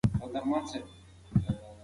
سالم خواړه د وده لپاره ضروري دي.